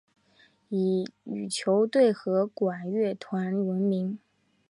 以羽球队和管乐团闻名。